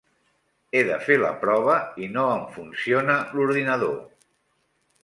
He de fer la prova i no em funciona l'ordinador.